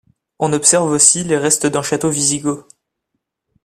On observe aussi les restes d'un château wisigoth.